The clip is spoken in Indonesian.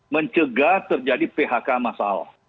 mencegah terjadi phk masal